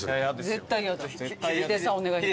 絶対やだ。